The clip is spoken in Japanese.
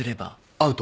アウト。